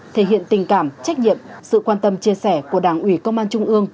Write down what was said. thể hiện tình cảm trách nhiệm sự quan tâm chia sẻ của đảng ủy công an trung ương